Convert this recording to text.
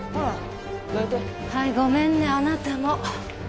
はいごめんねあなたも。